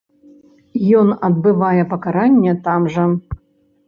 Ён адбывае пакаранне там жа.